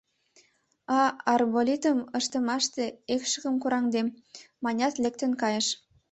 А арболитым ыштымаште экшыкым кораҥдем, — манят, лектын кайыш.